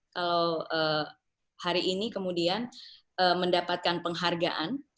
kalau hari ini kemudian mendapatkan penghargaan